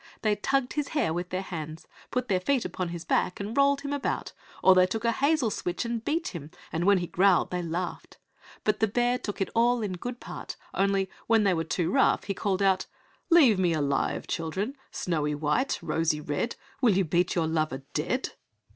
They tugged his hair with their hands, put their feet upon his back and rolled him about, or they took a hazel switch and beat him, and when he growled they laughed. But the bear took it all in good part, only when they were too rough he called out, "Leave me alive, children, "Snowy white, Rosy red, Will you beat your lover dead?"